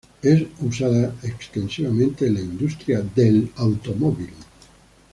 Es usada extensivamente en la industria de automóviles.